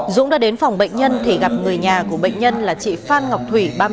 dũng đã đến phòng bệnh nhân thì gặp người nhà của bệnh nhân là chị phan ngọc thủy